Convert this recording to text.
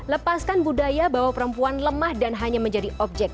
lepaskan budaya bahwa perempuan lemah dan hanya menjadi objek